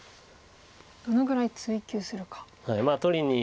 どのぐらい追及するか。